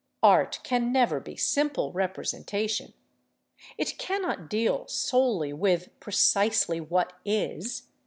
Art can never be simple representation. It cannot deal solely with precisely what is.